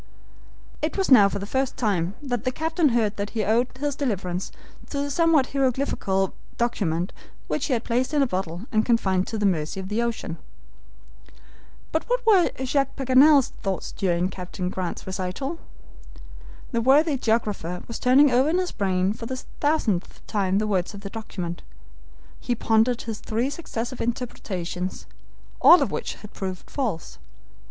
It was now for the first time that the captain heard that he owed his deliverance to the somewhat hieroglyphical document which he had placed in a bottle and confined to the mercy of the ocean. But what were Jacques Paganel's thoughts during Captain Grant's recital? The worthy geographer was turning over in his brain for the thousandth time the words of the document. He pondered his three successive interpretations, all of which had proved false.